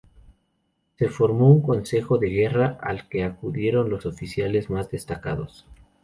Se formó un consejo de guerra, al que acudieron los oficiales más destacados.